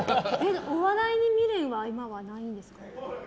お笑いに未練は今はないんですか？